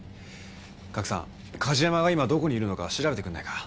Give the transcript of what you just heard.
賀来さん梶山が今どこにいるのか調べてくれないか？